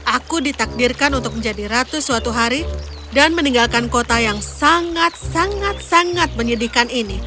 aku ditakdirkan untuk menjadi ratu suatu hari dan meninggalkan kota yang sangat sangat menyedihkan ini